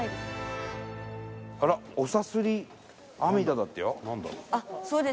あら「おさすりあみだ」だってよ。